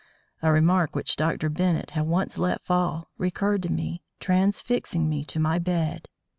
A remark which Dr. Bennett had once let fall recurred to me, transfixing me to my bed.